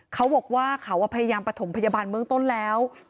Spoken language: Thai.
เขาบอกว่าเขาพยายามประถมพยาบาลเมืองต้นแล้ว